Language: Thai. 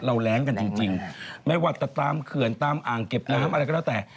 แรงกันจริงไม่ว่าจะตามเขื่อนตามอ่างเก็บน้ำอะไรก็แล้วแต่